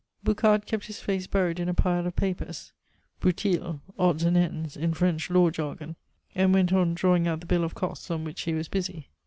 Boucard kept his face buried in a pile of papers broutilles (odds and ends) in French law jargon and went on drawing out the bill of costs on which he was busy.